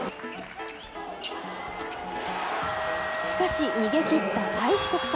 しかし、逃げ切った開志国際。